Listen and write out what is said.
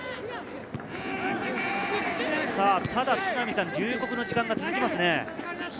ただ、龍谷の時間が続きますね。